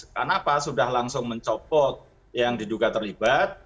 karena pak sudah langsung mencopot yang diduga terlibat